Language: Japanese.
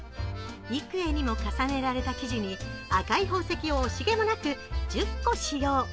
幾重にも重ねられた生地に赤い宝石を惜しげもなく１０個使用。